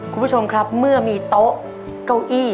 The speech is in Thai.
คุณผู้ชมครับเมื่อมีโต๊ะเก้าอี้